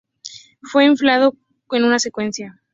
Fue filmado en una secuencia.